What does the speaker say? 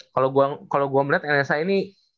kalau gue kalau gue melihat nsa ini